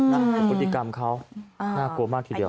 ผลลูกนะกฎิกรรมเขาน่ากลัวมากทีเดียว